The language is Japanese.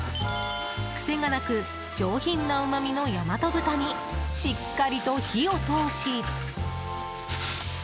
癖がなく上品なうまみの大和豚にしっかりと火を通し。